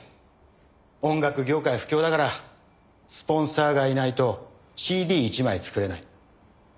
音楽業界不況だからスポンサーがいないとＣＤ１枚作れない。